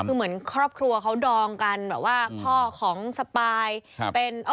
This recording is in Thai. คือเหมือนครอบครัวเขาดองกันแบบว่าพ่อของสปายเป็น